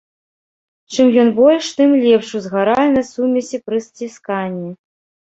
Чым ён больш, тым лепш узгаральнасць сумесі пры сцісканні.